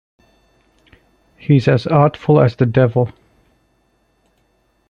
He's as artful as the devil.